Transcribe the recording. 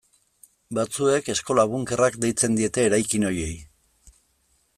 Batzuek eskola-bunkerrak deitzen diete eraikin horiei.